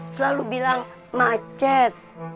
selalu bilang macet